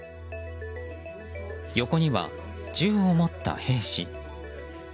横には銃を持った兵士。